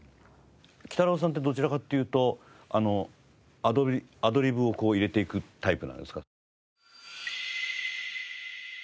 きたろうさんってどちらかというとアドリブをこう入れていくタイプなんですか？